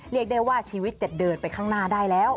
เรียกได้ว่าชีวิตจะเดินไปข้างหน้าได้แล้ว